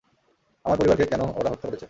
আমার পরিবারকে কেন ওরা হত্যা করেছে?